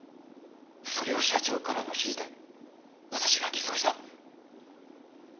それを社長からの指示で私が偽装した。